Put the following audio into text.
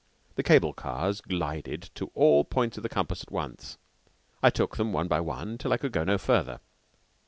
The cable cars glided to all points of the compass at once. I took them one by one till I could go no further.